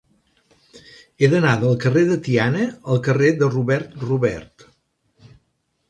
He d'anar del carrer de Tiana al carrer de Robert Robert.